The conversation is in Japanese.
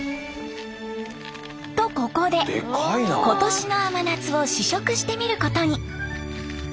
とここで今年の甘夏を試食してみることに。